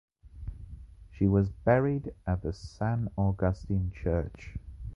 She was buried at the San Agustín church.